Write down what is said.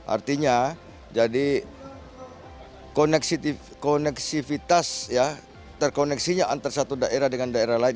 artinya jadi koneksivitas ya terkoneksinya antara satu daerah dengan daerah lain